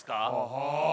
はあ。